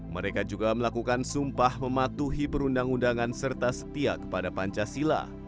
mereka juga melakukan sumpah mematuhi perundang undangan serta setia kepada pancasila